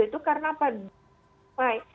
itu karena apa